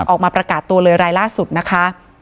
ออกมาประกาศตัวเลยรายล่าสุดนะคะ